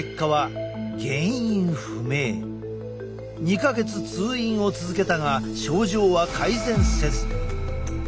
２か月通院を続けたが症状は改善せず。